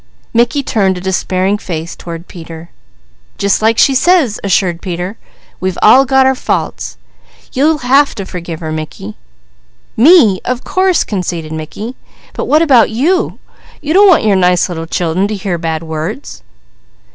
Mickey turned a despairing face toward Peter. "Just like she says," assured Peter. "We've all got our faults. You'll have to forgive her Mickey." "Me? Of course!" conceded Mickey. "But what about you? You don't want your nice little children to hear bad words."